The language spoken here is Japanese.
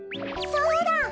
そうだ！